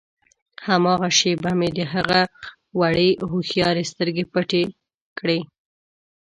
هماغه شېبه مې د هغه وړې هوښیارې سترګې پټې کړې.